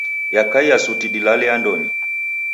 Yakaia suti dilale andonyi.